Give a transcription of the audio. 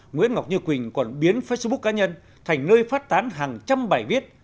nguyễn ngọc như quỳnh còn biến facebook cá nhân thành nơi phát tán hàng trăm bài viết